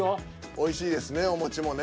おいしいですねおもちもね。